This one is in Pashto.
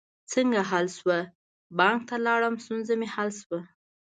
څنګه حل شوه؟ بانک ته لاړم، ستونزه می حل شوه